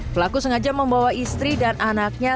pelaku sengaja membawa istri dan anaknya